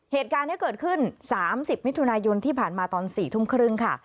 เหตุการณ์นี้เกิดขึ้น๓๐มิถุนายนที่ผ่านมาตอน๔ทุ่มครึ่งค่ะ